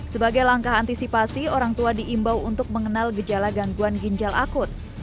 sebagai langkah antisipasi orang tua diimbau untuk mengenal gejala gangguan ginjal akut